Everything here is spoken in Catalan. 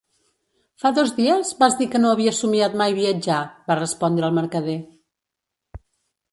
"Fa dos dies, vas dir que no havia somiat mai viatjar", va respondre el mercader.